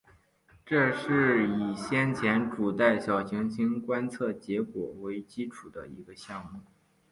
这是以先前主带小行星观测结果为基础的一个项目。